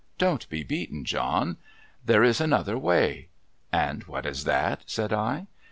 Don't be beaten, John. There is another way,' ' And what is that ?' said I.